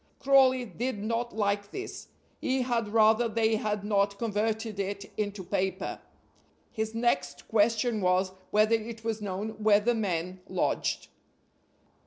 Crawley did not like this, he had rather they had not converted it into paper. His next question was, whether it was known where the men lodged.